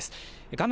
画面